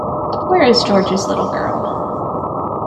Where is George's little girl?